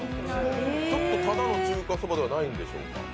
ただの中華そばではないんでしょうか？